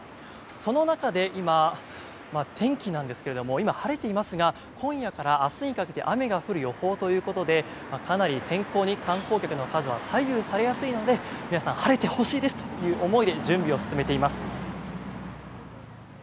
その中で天気なんですけれども今、晴れていますが今夜から明日にかけて雨が降る予報ということでかなり天候に観光客の数は左右されやすいので皆さん晴れてほしいですという思いで準備を進めています。